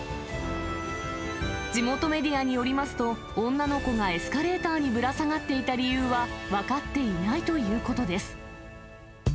地元メディアによりますと、女の子がエスカレーターにぶら下がっていた理由は、分かっていないということです。